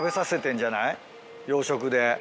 養殖で。